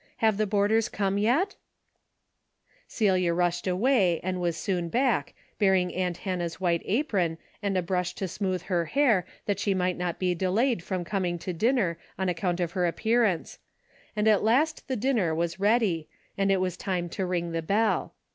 Have the boarders come yet ?" Celia rushed away and was soon back, bear ing aunt Hannah's white apron and a brush to smooth her hair that she might not be de layed from coming to dinner on account of her appearance, and at last the dinner ivas ready and it was time to ring the bell.